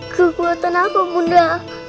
kekuatan apa bunda